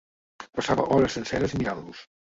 Passava hores senceres mirant-los